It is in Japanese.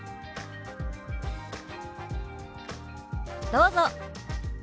どうぞ。